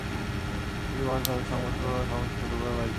যদি পার তবে সংবাদপত্র ও সাময়িকপত্র উভয়ই বাহির কর।